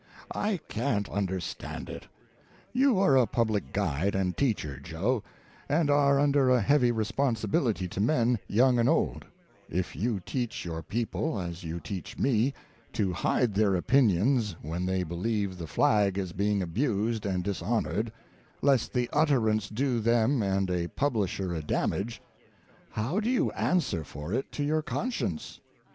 / can't understand it! You are a public guide and teacher, Joe, and are under a heavy responsibility to men, young and old; if you teach your people — as you teach me — ^to hide their opinions when they believe the flag is being abused and dishonored, lest the utterance do them and a publisher a damage, how do you answer for it to your consdenoe?